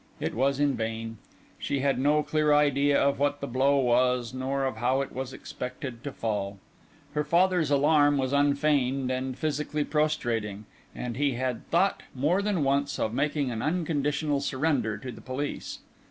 It was in vain. She had no clear idea of what the blow was, nor of how it was expected to fall. Her father's alarm was unfeigned and physically prostrating, and he had thought more than once of making an unconditional surrender to the police.